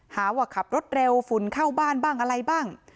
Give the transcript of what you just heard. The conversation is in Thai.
หาว่าขับรถเร็วฝุ่นเข้าบ้านบ้างอะไรบ้าง